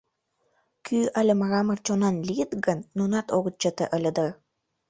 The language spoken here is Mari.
Кӱ але мрамор чонан лийыт гын, нунат огыт чыте ыле дыр.